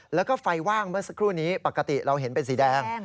แล้วก็ไฟว่างเมื่อสักครู่นี้ปกติเราเห็นเป็นสีแดง